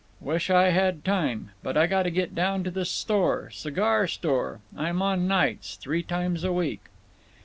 "Wish I had time. But I gotta get down to the store—cigar store. I'm on nights, three times a week."